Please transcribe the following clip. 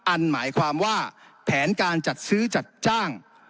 อันหมายความว่าแผนการจัดซื้อจัดจ้าง